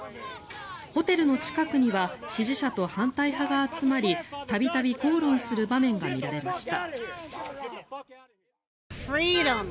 ホテルの近くには支持者と反対派が集まり度々口論する場面が見られました。